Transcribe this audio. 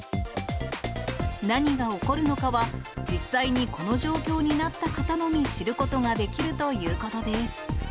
何が起こるのかは、実際にこの状況になった方のみ知ることができるということです。